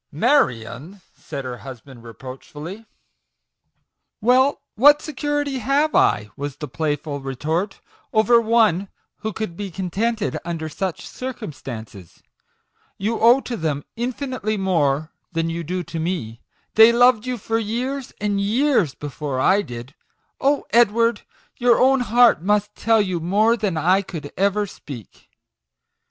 " Marion !" said her husband reproachfully. t( Well, what security have I," was the play ful retort, " over one who could be contented under such circumstances ? You owe to them infinitely more than you do to me they loved you for years and years before I did. Oh, Edward ! your own heart must tell you more than I could ever speak."